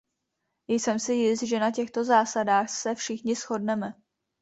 Jsem si jist, že na těchto zásadách se všichni shodneme.